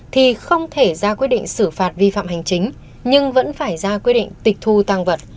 thì không thể ra quyết định xử phạt vi phạm hành chính nhưng vẫn phải ra quyết định tịch thu tăng vật